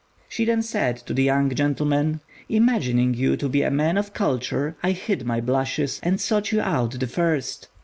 She then said to the young gentleman, "Imagining you to be a man of culture, I hid my blushes and sought you out the first.